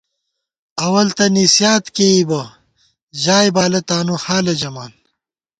اول تہ نِسیات کېئیبہ ژائےبالہ تانُو حالہ ژَمان